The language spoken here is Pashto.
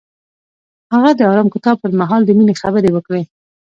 هغه د آرام کتاب پر مهال د مینې خبرې وکړې.